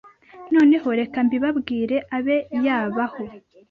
Noneho reka mbibabwire abe yabaho